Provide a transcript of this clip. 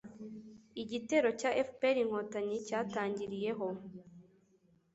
igitero cya FPR-Inkotanyi cyatangiriyeho